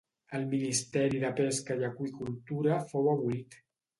El Ministeri de Pesca i Aqüicultura fou abolit.